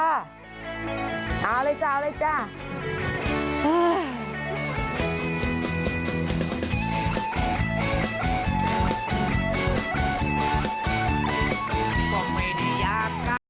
เอาเลยจ้าเลยจ้า